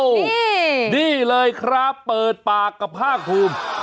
นี่เลยครับเปิดปากกับภาคภูมิ